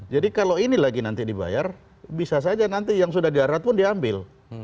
jadi kalau ini lagi nanti dibayar bisa saja nanti yang sudah diarat pun diambil